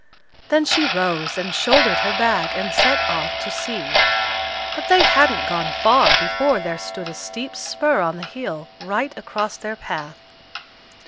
Then she rose and shouldered her bag, and set off to see; but they hadn't gone far, before there stood a steep spur of the hill, right across their path.